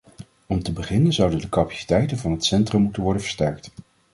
Om te beginnen zouden de capaciteiten van het centrum moeten worden versterkt.